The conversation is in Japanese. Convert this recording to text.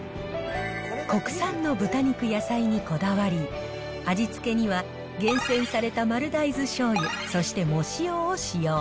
国産の豚肉、野菜にこだわり、味付けには厳選された丸大豆しょうゆ、そして藻塩を使用。